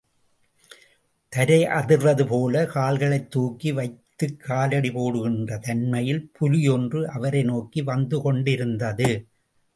தரை அதிர்வதுபோல கால்களைத் தூக்கி வைத்துக் காலடி போடுகின்ற தன்மையில், புலி ஒன்று அவரை நோக்கி வந்து கொண்டிருந்தது.